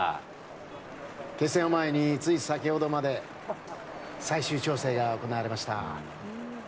決戦を前につい先ほどまで最終調整が行われました。